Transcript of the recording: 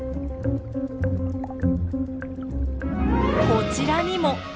こちらにも。